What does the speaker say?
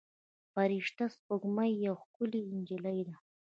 فرشته سپوږمۍ یوه ښکلې نجلۍ ده.